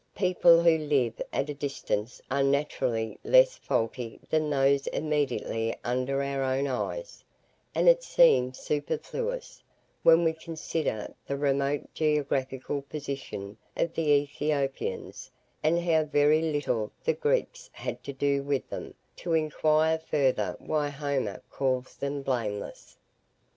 People who live at a distance are naturally less faulty than those immediately under our own eyes; and it seems superfluous, when we consider the remote geographical position of the Ethiopians, and how very little the Greeks had to do with them, to inquire further why Homer calls them "blameless."